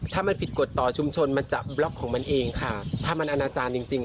ถ้ามันผิดกฎต่อชุมชนมันจะบล็อกของมันเองค่ะถ้ามันอนาจารย์จริงจริง